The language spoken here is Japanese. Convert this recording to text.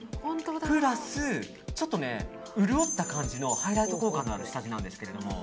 プラスちょっと潤った感じのハイライト効果のある下地なんですが。